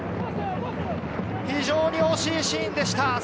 非常に惜しいシーンでした。